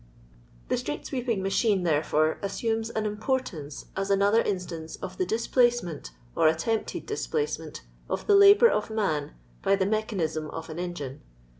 The street sweeping machine, thrrefore, assumes an import ance as another instance of the displacement, or attempted displacement, of the labour of man by ^ mechanbm of an engine.